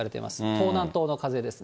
東南東の風です。